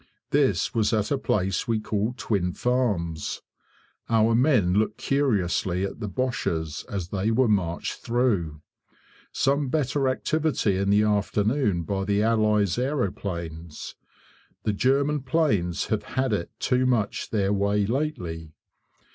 This was at a place we call Twin Farms. Our men looked curiously at the Boches as they were marched through. Some better activity in the afternoon by the Allies' aeroplanes. The German planes have had it too much their way lately.